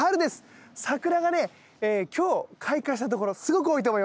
桜がね今日開花したところすごく多いと思います。